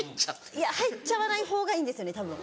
いや入っちゃわない方がいいんですよねたぶん。